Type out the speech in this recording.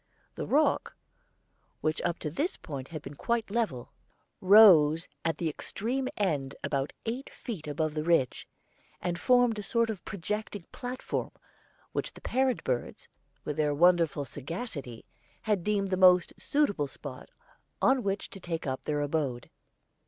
The rock, which up to this point had been quite level, rose at the extreme end about eight feet above the ridge, and formed a sort of projecting platform, which the parent birds, with their wonderful sagacity, had deemed the most suitable spot on which to take up their abode.